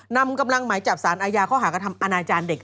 นำกำลังไหมจับสารอายาข้อหากธรรมอนาจารย์เด็ก